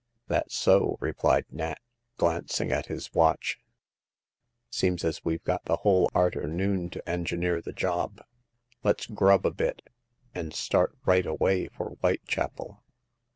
" That's so," replied Nat, glancing at his watch. Seems as weVe got the whole arternoon to en gineer the job. Let's grub a bit, and start right away for Whitechapel."